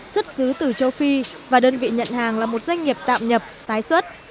xuất xứ từ châu phi và đơn vị nhận hàng là một doanh nghiệp tạm nhập tái xuất